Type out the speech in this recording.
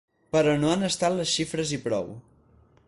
Però no han estat les xifres i prou.